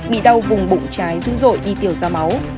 bị đau vùng bụng trái dữ dội đi tiểu ra máu